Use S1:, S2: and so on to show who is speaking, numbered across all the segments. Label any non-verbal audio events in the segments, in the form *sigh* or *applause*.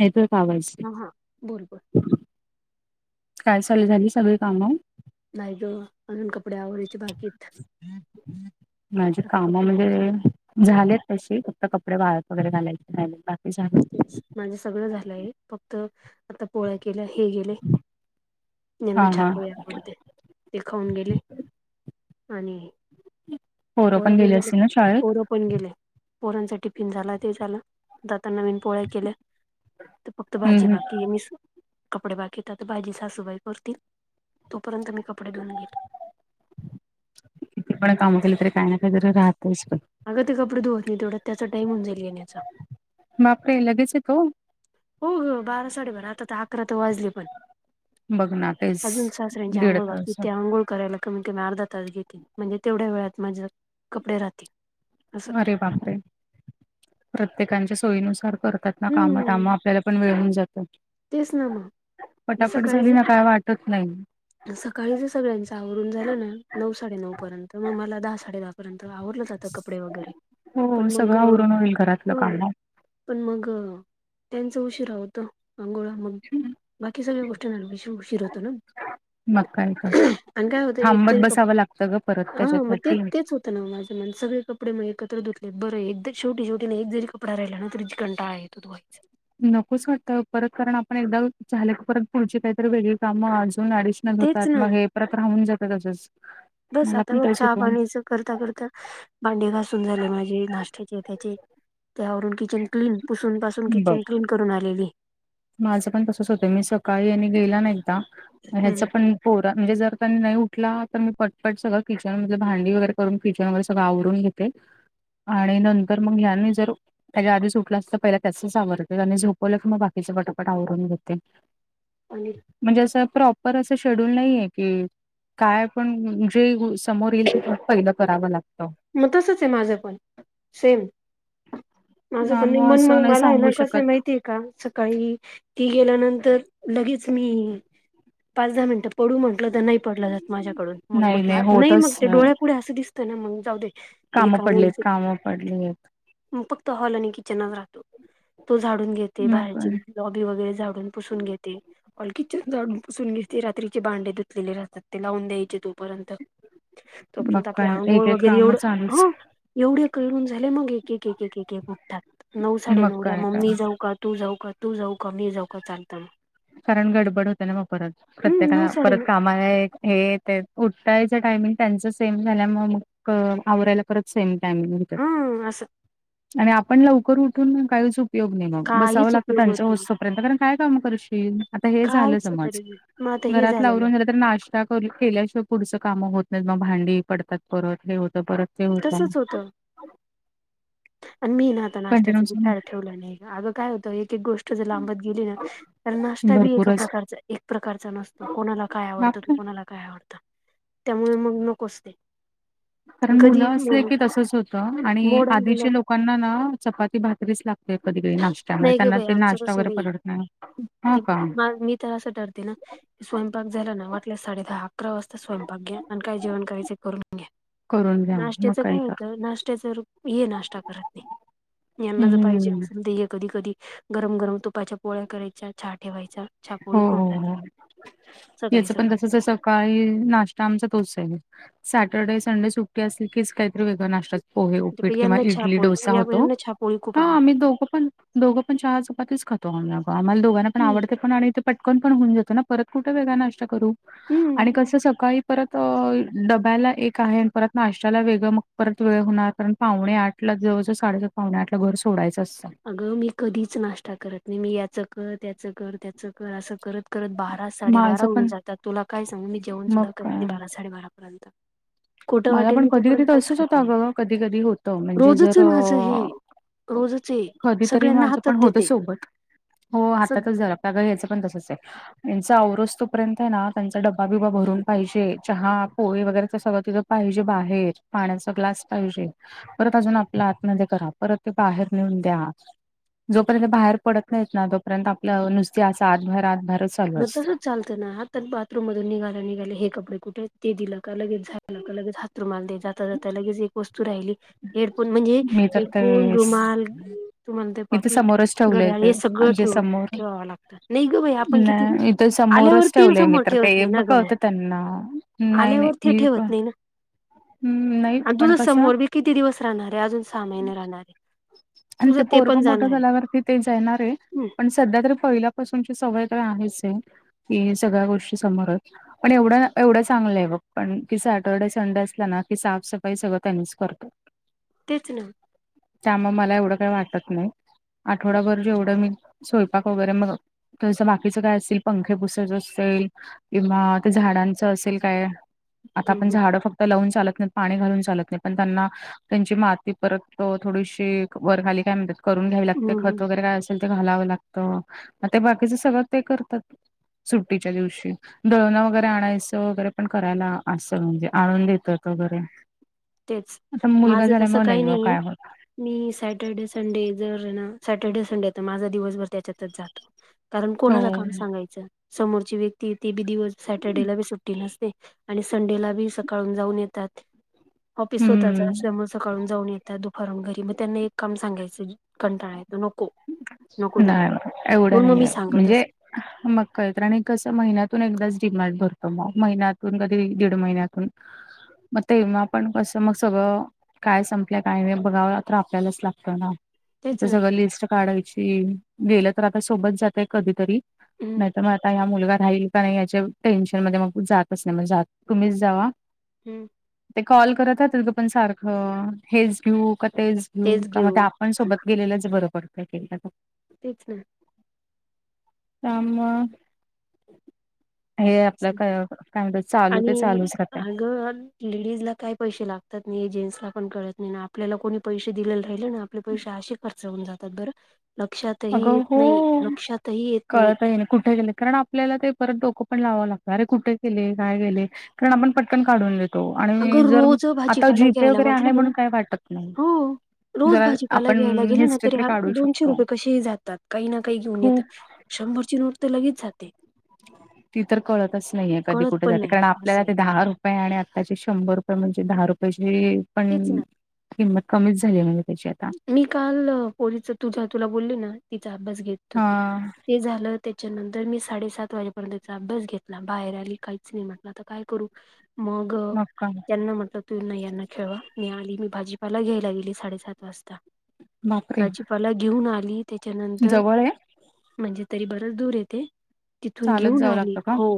S1: येतोय का आवाज
S2: हा हा बोल बोल
S1: तेन काय चालू झाली सगळी काम.
S2: नाही ग अजून कपडे आवरायचे बाकी
S1: माझ्या
S2: कपडे
S1: कामाला वेळ आहे. झालेत तशी फक्त कपडे वाळत वगैरे घालायचे रा बाकी झाले.
S2: तेच माझे सगळं झालंय फक्त आता पोळ्या केला, हे गेले, हयांना
S1: हा
S2: चहा
S1: हा
S2: पोळी आवडते. ते ते खाऊन गेले आणि
S1: पोरं
S2: पोळ्या
S1: पण
S2: पन
S1: गेली
S2: झाल्या
S1: असतील
S2: का
S1: ना शाळेत
S2: पोरं पण गेले पोरांचा टिफिन झाला ते झालं आता नवीन पोळ्या केल्या तर फक्त
S1: हम्
S2: भाजी
S1: हम
S2: बाकीय नीसू कपडे बाकीेत आता भाजी सासूबाई करतील तोपर्यंत मी कपडे धुवून घेतो.
S1: किती पण काम केलं तरी काय ना काय तरी राहतच पण.
S2: अगं ते कपडे धुवत नाही तेवढं त्याचा टाईम होऊन जाईल याण्याचा.
S1: बापरे लगेच येतो.
S2: हो हो बारा साडे बारा आता तर अकरा तर वाजले पण.
S1: बघ ना तेच
S2: अजून सासऱ्यांची
S1: दीड
S2: आंघोळ बाकीय ते
S1: तासात
S2: आंघोळ करायला कमी कमी अर्धा तास घेतील, म्हणजे तेवढ्या वेळात माझ कपडे राहतील. असं
S1: आरे बापरे, प्रत्येकच्या सोयीनुसार करतात. ना काम काम
S2: हम्म
S1: आपल्याला पण वेळ हुन जातं.
S2: तेच ना मग
S1: पटापट
S2: सकाळी
S1: झाली
S2: ज
S1: ना काय वाटत नाही.
S2: सकाळी ज सगळ्यांचं आवरून झालं ना नऊ साडे नऊ पर्यंत मग मला दहा साडे दहा पर्यंत आवरलं जात कपडे वगैरे
S1: हो
S2: पण मग
S1: सगळं आवरून होईल घरातलं
S2: हम्म.
S1: काम
S2: पण मग त्यांच उशीरा होत आंघोळा. मग बाकी सगळ्या गोष्टी न उशीर होतो ना.
S1: मग काय तर
S2: आणि काय होत एक
S1: थांबत बसावं
S2: कप्पडे,
S1: लागतं ग परत
S2: हा मग ते
S1: त्याच्यासाठी
S2: तेच होत. तर माझ्या मन सगळे कपडे मग एकत्र धुतले बरं एकदा शेवटी शेवटी एक जरी कपड राहिला ना तरी ज कंटाळा येतो. फक्त धुवायच.
S1: नकोच काटत परत कारण आपण एकदा झाल क परत पुढची काहीतरी वेगळी काम अजून ऍडिशनल
S2: तेच
S1: होतात
S2: ना
S1: मग हे परत राहून जातात त्याच्याच.
S2: बस आता मग चहा पाणीच करता करता भांडी घासून झाले माझे नाष्ट्याचे त्याचे त्यावरून की चन क्लीन पुसून पासून
S1: बघ.
S2: किचन क्लीन करून आलेली.
S1: माझं पण तसच होतंय. मी सकाळी आणि गेला ना एकदा म ह्याच
S2: हम्म
S1: पण पोरा म्हणजे जर त्यांनी नाही उठला तर मी पटपट सगळं किचन मधल भांडी वगैरे करून किचन वगर सगळंवरून घे ते आणि नंतर मग ह्याने जर त्याच्या आधी ऊटला असला तर पहिला त्यासच आवरते आणि झोपवलं की मग बाकी च पटापटा आवरून घेते.
S2: आणि
S1: म्हणजे असं प्रॉपर असं शेड्यूल नाहीये की काय पण जे समोर येईल ते पहिलं करावं लागतं.
S2: मग तसच आहे माझं पण सेम. माझं
S1: अं,
S2: पण नाय
S1: असं
S2: मग
S1: नाही
S2: मला आहे
S1: सांगू
S2: ना कसं आहे
S1: शकत
S2: माहिती आहे. काम सकाळी ती गेल्यानंतर लगीच मी पाच दहा मिनटं पडू म्हटलं तर नाही पडलं जात माझ्याकडून मग म्हटल नाही मग ते डोळ्यापुढे असं दिस त ना मग जाऊ दे. हे
S1: कामं
S2: काम होईल
S1: पडलेत
S2: ते.
S1: काम पडलेत.
S2: फक्त हॉल आणि किचनच राहतो तो झाडून घेते
S1: मग
S2: बाहेरची
S1: काय
S2: लॉबी वगैरे झाडून पुसून घेते. हॉल किचन झाडून पुसनू घेते रात्रीचे भांडे धुतलेले राहतात ते लावून द्यायचे तोपर्यंत.
S1: मग
S2: तोपर्यंत आपले
S1: काय
S2: आंघोळ
S1: एक एक
S2: वगैरे
S1: काम
S2: एवढ
S1: चालूच
S2: ह एवढे करुन झाले मग एक एक एक एक एक एक ऊठतात नऊ साडे
S1: मग
S2: नऊ ला
S1: काय तर
S2: मी जाऊ का तू जाऊ का तू जाऊ का मी जाऊ का चालत म.
S1: कारण गडबड होतिया ना मग परत
S2: हम् नऊ
S1: प्रत्येकाला
S2: साडे
S1: परत
S2: नऊ
S1: कामाला हायत. हे ते उठटायचं टायमिंग त्यांच सेम झाल्यामुळ मग आवरायला परत सेम टाईम
S2: हा असं
S1: आणि आपण लवकर उठून काहीच उप योग नाही मग, बसावं
S2: काहीच
S1: लागतं
S2: उपयोग होत
S1: त्यांचं
S2: नाही
S1: होस्तो तोपर्यंत कारण काम कर शील, आता हे झालं
S2: काहीच
S1: समज
S2: तरी मग आता हे
S1: घरात
S2: झालेलं आहे
S1: लावरून झालं तर नाश केल्याशिवाय पुढच काम होत नाही मग भांडी पडतात परत हे होत परत ते होत.
S2: तसच होतं आणि मी ना आता
S1: कंटिन्यू
S2: नाष्ट्याचं बी
S1: असं
S2: फॅड ठेवलं नाही अगं काय होतं एक एक गोष्ट जर लांबत गेली ना तर नाष्टा बी एका
S1: भरपूरच
S2: प्रकारचा एक प्रकारचा नसतो कोणाला काय आवडतं त
S1: बापरे
S2: कोणाला काय आवडतं. त्यामुळ मग नकोच ते.
S1: कारण
S2: कधी
S1: मुलं असले
S2: म्हणून
S1: की तसच होत आणि
S2: मोड आलेलं
S1: आधीचे लोकांना ना चपाती भाकरीच लाग लागते कधी कधी त्यांना ते नाष्टा म
S2: नाही ग
S1: त्यांना
S2: बाई
S1: ते
S2: आमचं
S1: नाष्टा
S2: तसं
S1: वगैर परवडत नाही. हा
S2: ते
S1: का
S2: मी तर असं ठरते ना स्वयंपाक झाला ना वाटल्यास साडे दहा अकरा वाजता स्वयंपाक घ्या आणि काय जेवण करायचे करून घ्या.
S1: करून घ्या मग
S2: नाष्ट्याचं काय
S1: तर
S2: होतं नाष्ट्यात जर हे नाष्टा करत नाही यांना ज पाहिजे
S1: हम्म
S2: असेल कधी कधी गरम गरम तुपाच्या पोळ्या करायच्या चहा ठेवायचा.
S1: हो
S2: चहापोळी
S1: हो
S2: खाऊन जाते
S1: हो
S2: सकाळी
S1: याचं पण
S2: सकाळी
S1: तसच आहे सकाळी नाष्टा आमचा तोच आहे सॅटर्डे संडे सुट्टी असली की काहीतरी वेगळा नाष्टा पोहे, उपीट किंवा
S2: यांना
S1: इडली,
S2: चहापोळी
S1: डोसा
S2: या
S1: होतो
S2: यांना चहापोळी खूप
S1: हा
S2: आवडते
S1: आम्ही दोघ पण दोघं पण चहा चपातीच खातो आम्हाला दोघांना पण
S2: हम्म
S1: आवड ते पण ते पटकन पण होऊन जात परत कुठे वेगळा नाष्टा करू
S2: हम्म
S1: आणि कस सकाळी परत डब्याला एक आहे आणि परत नाष्ट्याला वेगळं मग परत वेळ होणार कारण पावणे आठ जवळ साडे सात पावणे आठलं घर सोडायचं असतं.
S2: अगं मी कधीच नाष्टा करत नाही मी याच कर त्याच कर त्याच कर असं करत करत बारा साडे बारा
S1: माझं
S2: होऊन
S1: पण
S2: जातात तुला काय सांगू मी जेवण
S1: मग
S2: सुद्धा करत नाही
S1: काय
S2: बारा साडेबारा पर्यंत. खोटं
S1: मला
S2: वाटेल
S1: पण
S2: मी
S1: कधी कधी
S2: तोपर्यंत काहीच
S1: तसंच
S2: खात
S1: होतं
S2: नाही
S1: अगं कधी कधी होतं म्हणजे
S2: रोजच
S1: जर
S2: आहे माझं हे.
S1: अ
S2: रोजचे.
S1: कधीतरी माझं पण होत सोबत हो
S2: सग
S1: हातातच झालं, पगार याचं पण तसंच आहे. यांचा आवरूस तोपर्यंत हेना, त्यांचा डब्बा -बिबा भरून पाहिजे चहा, पोळी वगैरेच सगळं तिथं पाहिजे बाहेर, पाण्याचा ग्लास पाहिजे. परत अजून आपल आतमध्ये करा, परत ते बाहेर नेऊन द्या. जोपर्यंत बाहेर पडत नाहीत ना तोपर्यंत आपलं नुसती असं आतभायर -आतभायरच.
S2: मग तुच उचालत ना हात? तर बाथरूम मधून निघाला निघाले हे कपडे कुठेय? ते दिलं का? लगेच झाल का? लगेच हात रूमाल द्यायचा जाता -जाता लगेच एक वस्तू राहिली हेडफोन म्हणजे
S1: मी तर ते
S2: हेडफोन रुमाल तुम्हाला ते
S1: मी
S2: पाकिट
S1: समोरच ठेवलंय
S2: घड्याळ हे
S1: ते
S2: सगळं
S1: जे
S2: ठेव-
S1: समोर
S2: ठेवाव लागत नाही ग बाई आपण किती तेनी
S1: नाही इथं
S2: आल्यावर
S1: समोरच
S2: तेनी
S1: ठेवलंय मी
S2: समोर
S1: तर
S2: ठेवत
S1: ते
S2: नाही
S1: ब
S2: ना गम
S1: कळतं त्यांना
S2: आल्यावर ते ठेवत नाही ना.
S1: हम्म नाही
S2: आणि
S1: पण
S2: तुझं
S1: कसं
S2: समोर बी किती दिवस राहणारे अजून सहा महिने राहणारे.
S1: आणि ते पोरग मोठं झाल्यावरती ते जाणार आहे
S2: हं,
S1: पण सध्या तरी पहिल्यापासूनची सवय तर आहेच आहे. की सगळ्या गोष्टी समोरायत, पण एवढं- एवढं चांगलंय बघ पण कि सॅटर्डे, सं थंड असल ना की साफसफाई सगळं त्यांनीच करतो.
S2: तेच ना.
S1: त्यामु म मला एवढं काही वाटत नाही आठवडाभर जेवढं मी स्वयंपाक वगैरे मग तसं बाकीच काय असल पंखे पुुसाच असेल. किंवा ते झाडांचं असेल काय, आता
S2: हम्म
S1: आपण
S2: हम्म
S1: झाड फक्त लावून चालत नाही, पाणी घालून चालत नाही पण त्यांना त्यांची माती परत थोडीशी वरखाली काय म्हणतात करून घ्यावी लागते,
S2: हम्म हम्म
S1: खत वगैरे काय अस ल ते घालावं लागत म ते बाकीच सगळं ते करतात. सुट्टीच्या दिवशी दळणं वगैरे आणायचं वगैरे पण करायला असं म्हणजे आणून देतात वगैरे
S2: तेच
S1: आता मुलगा
S2: माझं तसं
S1: झाल्यामुळे नाही
S2: काही
S1: ग
S2: नाहीये
S1: काय होत.
S2: मी सॅटर्डे, संडे जर ना सॅटर्डे, संडे तर माझा दिवसभर त्याच्यातच जातो. कारण
S1: हो.
S2: कोणाला काम सांगायचं समोरची व्यक्ती ते बी दिवस सॅटर्डेला बी सुट्टी नसते. आणि संडेला बी सकाळून जाऊन येतात ऑफिस होताच
S1: हम्म
S2: समोर सकाळून जाऊन येतात दुपारून घरी मग त्यांना एक काम सांगायचं कंटाळा येतो नको. नको
S1: नाही,
S2: देऊ
S1: ना एवढं
S2: म्हणून मग मी
S1: नाहीये,
S2: सांगत
S1: म्हणजे
S2: असते
S1: मग काहीतर आणि कस महिन्यातून एकदाच डिमार्ट भरतो मग महिन्यातून कधी, दीड महिन्यात तून म तेव्हा पण कस मग सगळं. काय संपल्या काही नाही बघावा तर आपल्यालाच लागतं ना.
S2: तेच
S1: आता
S2: ना
S1: सगळं लिस्ट काढायची गेलं तर आता सोबत जातय कधीतरी.
S2: हम्म
S1: नाही तर मग आता ह्या मुलगा राहील का नाही याच्या टेन्शन मध्ये मग जातच नाही मग तुम्हीच जावा.
S2: हम्म
S1: ते कॉल करत राहतेत ग पण सारखं हेच घेऊ का? तेच घेऊ का? म आपण सोबत गेलेलंच बरं पडतंय एकेकदा.
S2: तेच ना.
S1: काम *unintelligible* हे आपलं काय -काय म्हणत चालू ते चालूच राहातंय.
S2: घन *unintelligible* लेडीजला काही पैसे लागतात नाही, जेंट्सला पण कळत नाही ना आपल्याला कोणी पैशे दिलेले राहिले आणि आपले पैशे असे खर्च होऊन जातात बरं लक्षात
S1: अगं हो कळत ही नाही कुठे गेले? कारण आ आपल्याला काय परत डोकं पण लावावं लागतं अरे कुठे गेले? काय गेले कारण आपण पटकन काढून देत तो, आणि
S2: अगं
S1: जर
S2: रोज
S1: आता
S2: भाजीपाला
S1: जीपे
S2: घ्यायला
S1: वगैरे आहे
S2: म्हटलं ना
S1: म्हणून काय वाटत नाही.
S2: हो रोज
S1: जरा
S2: भाजीपाला
S1: आपण
S2: घ्यायला गेलं ना तरी
S1: हेिस्टित
S2: हा
S1: काढू
S2: दोनशे
S1: शकतो
S2: रुपये कसेही जातात काही ना काही घेऊन येत
S1: खूप
S2: शंभरची नोट तर लगेच जाते
S1: ती तर कळतच नाहीये कधी
S2: कळत
S1: कुठे
S2: पण
S1: जाते
S2: नाही
S1: कारण
S2: असं
S1: आपल्याला
S2: आहे
S1: ते दहा रप आणि आताची शंभर रुपये म्हणजे दहा रुपयेची पण
S2: तेच ना
S1: किंमत कमीच झाली म्हणजे त्याच्यात
S2: मी काल पोलीच तुझ्या तुला बोलली ना तिचा अभ्यास घेत
S1: हा
S2: होती ते झालं त्याच्यानंतर मी साडेसात वाजेपर्यंतचा अभ्यास घेतला बाहेर आली काहीच नाही म्हटलं आता काय करू मग ग त्यांना म्हटलं तू यांना खेळवा मी आली मी भाजीपाला घ्यायला गेली साडेसात वाजता
S1: नकरी
S2: मला घेऊन आली त्याच्यानंतर म्हणजे तरी बरच दूर येते तिथून
S1: चालत
S2: घेऊन
S1: जावं
S2: आली
S1: लागतं का
S2: हो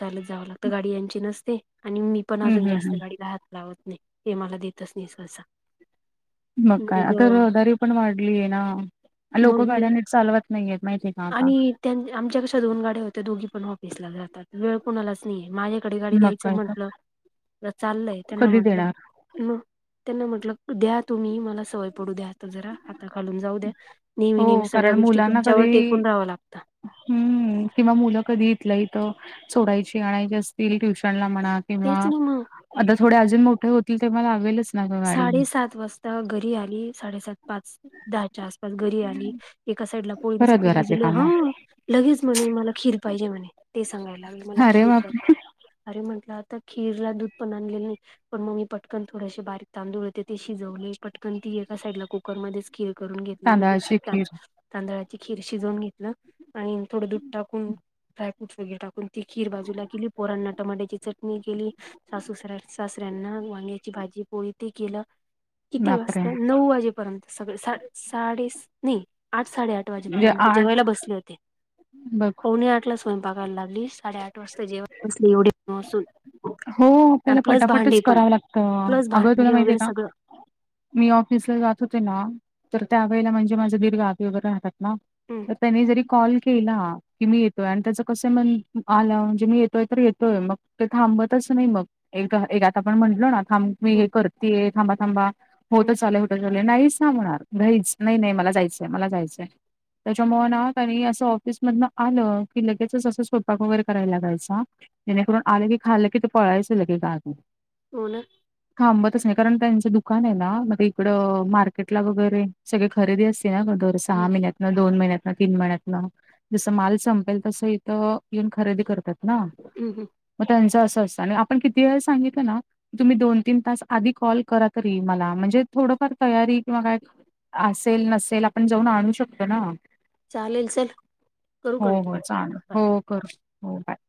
S2: चालत जावं लागत गाडी यांची नसते आणि मी पण
S1: हम्म
S2: अजून
S1: हम्म हम्म
S2: जास्त गाडी राहात लावत नाही हे मला देतच नाही स्वसा
S1: मग काय आता रहदारी पण वाढलीय ना लोक
S2: मग मी
S1: गाड्याने चालवत नाहीेत माहिती
S2: आणि त्यां आमच्या कशा दोन गाड्या होत्या दोघी पण ऑफिसला जातात वेळ कुणालाच नाहीये माझ्याकडे गाडी
S1: मग
S2: द्यायचं
S1: काय तर
S2: म्हटलं चाललंय त्यांना
S1: कधी
S2: म्हंटलं
S1: देणार?
S2: मग त्यांना म्हटलं द्या तुम्ही मला सवय पडू द्या तर जरा हाता घालून जाऊ द्या नेहमी नेहमी
S1: हो
S2: सगळ्या
S1: कारण
S2: गोष्टी
S1: मुलांना
S2: तुमच्यावर
S1: कधी
S2: टेकून राहाव लागत
S1: हम्म किंवा मुलं कधी इेतलंय तर सोडायची आणायची असतील ट्युशन ला मनात किंवा
S2: तेच ना मग
S1: आता थोडे अजून मोठे होतील तेव्हा लावेलच
S2: साडेसात वाजता आता घरी आली साडेसात पाच दहाच्या आसपास घरी आली एका साईडला पोळींचं
S1: परत
S2: पीठ
S1: घरातले
S2: भिजलं हा
S1: कामं.
S2: लगेच म्हणे मला खीर पाहिजे म्हणे ते सांगायला लागले मला
S1: अरे
S2: खीर कर
S1: बापरे!
S2: अरे म्हटलं आता खीर ला दूध पण आणलेलं नाही पण मग मी पटकन थोडशी बारीक तांदूळ होते ते शिजवले पटकन ती एका साइडला कुकरमध्येध्येच खीळ करून घेतली म्हणजे
S1: तांदळाची खीर
S2: तांदळाची खीर शिजवून घेतलं आणि थोडं दूध टाकून फ्राय फ्रूटस वगैरे टाकून ती खीरजूला केली पोरांना टमाट्याची चटणी केली सासुसऱ्या सासऱ्यांना वांग्याची भाजी पोळी केलं किती
S1: बापरे!
S2: वाजत नऊ वाजे र्यंत सगळे सा साडे नाही आठ साडेआठ ठ
S1: म्हणजे
S2: वाजपर्य
S1: आठ
S2: जेवायला बसले होते
S1: बघ.
S2: आठ बघायला लागली साडेआठ वाजता जेव बसली एवढे मस
S1: हो आपल्याला पटापटच करावं लागतं
S2: प्लस
S1: अगं तुला
S2: भांडी
S1: माहिती
S2: वगैरे
S1: आहे
S2: सगळं.
S1: का मी ऑफिस ला जात होते ना तर त्यावेेळेला म्हणजे माझा दीर्घ आी वगैरे राहतात
S2: हम्म
S1: तर त्यांनी जरी कॉल केला की मी येतोय आणि त्याच कस म्हण आ म्हणजे मी येतोय तर येतोय मग ते थांबत तस नाही मग एक एक आता आपण म्हंटलो ना थांब मी हे
S2: हम्म
S1: करतेय थांबा थांबा हो
S2: हम्म
S1: तर चालेल होठं चालू नाही सांबणार घहीच नाही नाही मला जायचंय मला जायचंय त्याच्या मन आत आणि असं ऑफिसमधन आलं की लगेचच असं स्वयपाक वगैरे करायला लागायच जेणेकरून आलेगी खा लागे तर पळायच लगे गा
S2: हो ना
S1: थांबतच नाही कारण त्यांचं दुकान आहे ना मग इकड मार्केटला वगैरे सगळे खरेदी अस को सा
S2: हम्म
S1: दोन महिन्यातन तीन महिन्यातन जसं माल संपेल तसं इथं येऊन खरेदी करतात ना
S2: हम् हं
S1: मग त्यांचं असं असतं आणि आपण किती वेळेस सांगितलं ना तुम्ही दोन तीन तास आधी कॉल करा तरी मला म्हणजे थोडंफार तयारी किंवा काय असेल नसेल आपण जाऊन आणू शकतो ना,
S2: चालेल चल करू
S1: हो हो चाल
S2: कंटिन्यू.
S1: हो करू हो बाय.